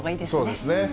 そうですね。